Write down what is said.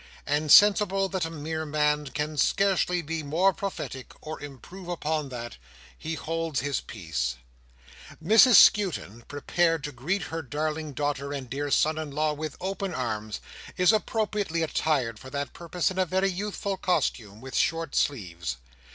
and sensible that a mere man can scarcely be more prophetic, or improve upon that, he holds his peace. Mrs Skewton, prepared to greet her darling daughter and dear son in law with open arms, is appropriately attired for that purpose in a very youthful costume, with short sleeves.